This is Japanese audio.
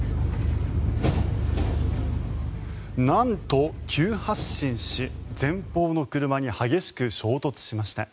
なんと、急発進し前方の車に激しく衝突しました。